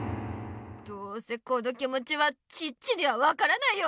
どうせこの気もちはチッチには分からないよ。